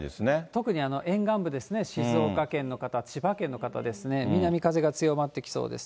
特に、沿岸部ですね、静岡県の方、千葉県の方ですね、南風が強まってきそうです。